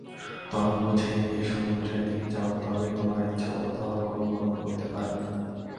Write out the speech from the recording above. তরঙ্গ ছেড়ে দিয়ে সমুদ্রের দিকে যাও, তবেই তোমার ইচ্ছামত তরঙ্গ উৎপন্ন করতে পারবে।